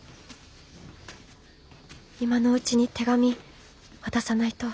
今のうちに手紙渡さないと。